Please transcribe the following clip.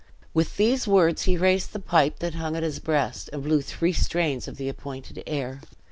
With these words he raised the pipe that hung at his breast, and blew three strains of the appointed air.